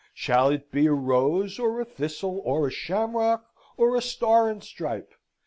Shall it be a rose, or a thistle, or a shamrock, or a star and stripe?